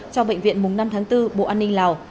cho bệnh viện mùng năm tháng bốn bộ an ninh lào